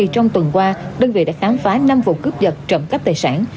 trong tuần qua đơn vị đã khám phá năm vụ cướp dật trộm cắp tài sản